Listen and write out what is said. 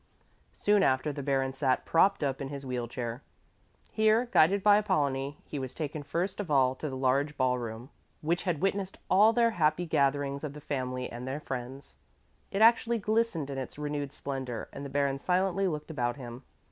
Soon after, the Baron sat propped up in his wheel chair. Here, guided by Apollonie, he was taken first of all to the large ball room, which had witnessed all the happy gatherings of the family and their friends. It actually glistened in its renewed splendor, and the Baron silently looked about him.